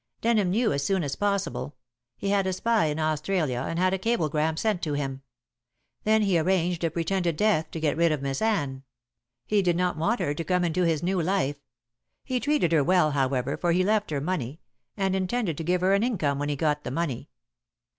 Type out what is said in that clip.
"Denham knew as soon as possible. He had a spy in Australia, and had a cablegram sent to him. Then he arranged a pretended death to get rid of Miss Anne. He did not want her to come into his new life. He treated her well, however, for he left her money, and intended to give her an income when he got the money.